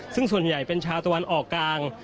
ซึ่งส่วนใหญ่เป็นชาวตะวันออกกลาง